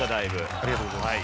ありがとうございます。